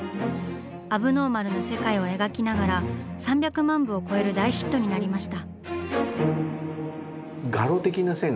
アブノーマルな世界を描きながら３００万部を超える大ヒットになりました。